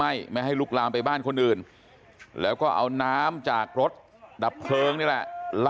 ไม่ให้ลุกลามไปบ้านคนอื่นแล้วก็เอาน้ำจากรถดับเพลิงนี่แหละ